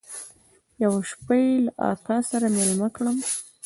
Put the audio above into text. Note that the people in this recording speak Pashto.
يوه شپه يې له اکا سره ميلمه کړم.